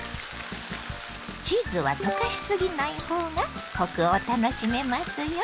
チーズは溶かしすぎない方がコクを楽しめますよ。